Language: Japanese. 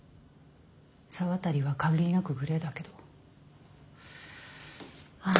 沢渡は限りなくグレーだけどはぁ